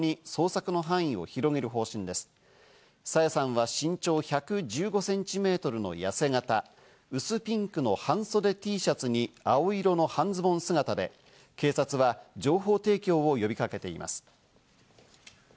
朝芽さんは身長１１５センチメートルのやせ形、薄ピンクの半袖Ｔシャツに青色の半ズボン姿で、警察は情報提供を呼びかけています。